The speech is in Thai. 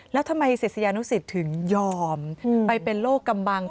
แล้วทำไมศิษยานุสิตถึงยอมไปเป็นโรคกำบัง